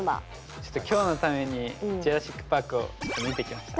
ちょっと今日のために「ジュラシック・パーク」をちょっと見てきました。